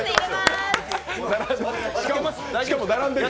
しかも並んでる。